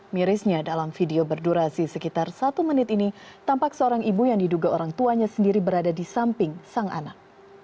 mirisnya dalam video berdurasi sekitar satu menit ini tampak seorang ibu yang diduga orang tuanya sendiri berada di samping sang anak